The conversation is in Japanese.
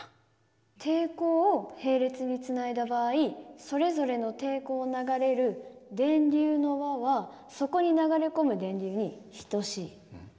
抵抗を並列につないだ場合それぞれの抵抗を流れる電流の和はそこに流れ込む電流に等しい。